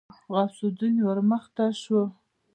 غوث الدين ورمخته شو.